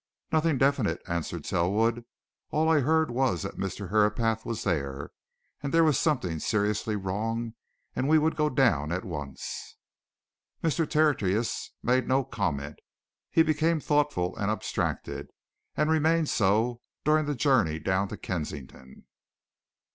"Nothing definite," answered Selwood. "All I heard was that Mr. Herapath was there, and there was something seriously wrong, and would we go down at once." Mr. Tertius made no comment. He became thoughtful and abstracted, and remained so during the journey down to Kensington.